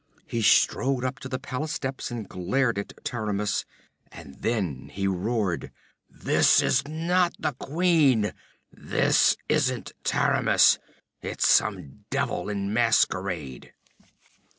He strode up to the palace steps and glared at Taramis and then he roared: '"This is not the queen! This isn't Taramis! It's some devil in masquerade!"